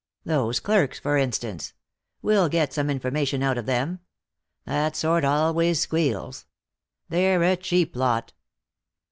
Those clerks, for instance we'll get some information out of them. That sort always squeals. They're a cheap lot."